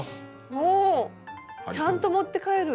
おちゃんと持って帰る。